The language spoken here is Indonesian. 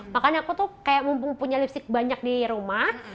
makanya aku tuh kayak mumpung punya lipstick banyak di rumah